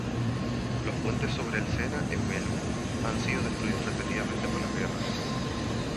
Los puentes sobre el Sena en Melun han sido destruidos repetidamente por las guerras.